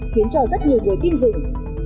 khiến cho rất nhiều người tin dùng